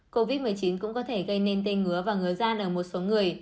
covid một mươi chín cũng có thể gây nên tê ngứa và ngứa gian ở một số người